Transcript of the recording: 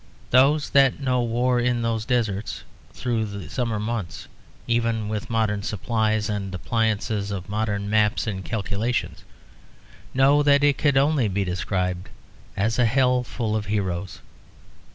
Those that know war in those deserts through the summer months, even with modern supplies and appliances and modern maps and calculations, know that it could only be described as a hell full of heroes.